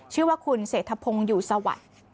ชื่อว่าคุณเสถพงอยู่สวัสดิ์